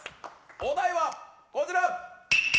お題はこちら。